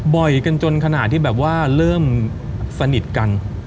บ่อยกันจนขนาดที่แบบว่าเริ่มสนิทกัน